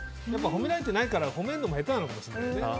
褒められてないから褒めるのも下手なのかもしれないね。